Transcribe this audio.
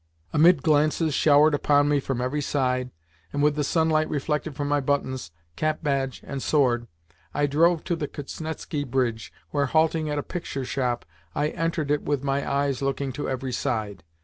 Amid glances showered upon me from every side, and with the sunlight reflected from my buttons, cap badge, and sword, I drove to the Kuznetski Bridge, where, halting at a Picture shop, I entered it with my eyes looking to every side.